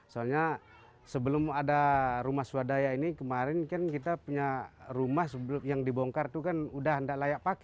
soalnya sebelum ada rumah swadaya ini kemarin kan kita punya rumah yang dibongkar itu kan udah tidak layak pakai